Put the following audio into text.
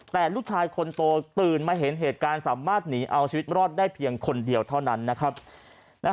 แต่ลูกชายคนโตตื่นมาเห็นเหตุการณ์สามารถหนีเอาชีวิตรอดได้เพียงคนเดียวเท่านั้นนะครับ